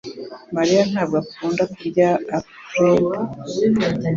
Mariya ntabwo akunda kurya kwa Applebee.